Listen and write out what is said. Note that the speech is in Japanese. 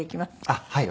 あっはい。